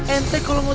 ente kalau mau ya